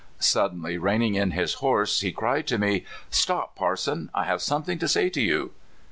Suddenly reining in his horse, he cried to me: '* Stop, parson; I have something to say to you."